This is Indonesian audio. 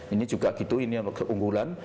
ini juga gitu ini keunggulan